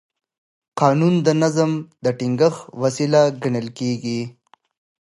قانون د نظم د ټینګښت وسیله ګڼل کېږي.